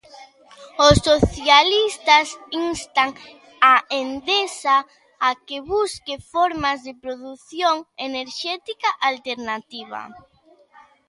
Os socialistas instan a Endesa a que busque formas de produción enerxética alternativa.